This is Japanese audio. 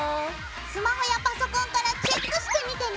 スマホやパソコンからチェックしてみてね。